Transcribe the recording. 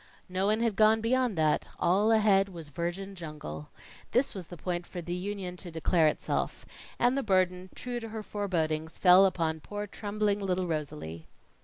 No one had gone beyond that; all ahead was virgin jungle. This was the point for the Union to declare itself; and the burden, true to her forebodings, fell upon poor trembling little Rosalie.